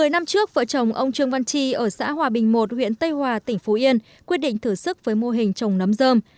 một mươi năm trước vợ chồng ông trương văn tri ở xã hòa bình một huyện tây hòa tỉnh phú yên quyết định thử sức với mô hình trồng nấm dơm